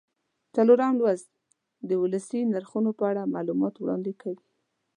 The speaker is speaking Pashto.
څلورم لوست د ولسي نرخونو په اړه معلومات وړاندې کوي.